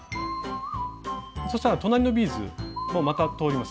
そしたら隣のビーズもまた通ります